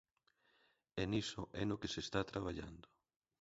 E niso é no que se está traballando.